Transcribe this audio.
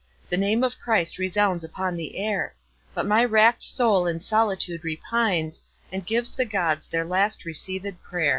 The name of Christ resounds upon the air. But my wrack'd soul in solitude repines And gives the Gods their last receivèd pray'r.